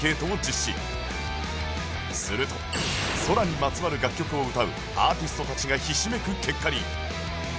すると空にまつわる楽曲を歌うアーティストたちがひしめく結果に